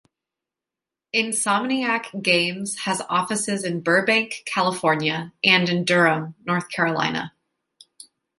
Insomniac Games has offices in Burbank, California and in Durham, North Carolina.